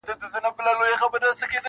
• خپل لویې موږک ته اوه سره بلا سوه..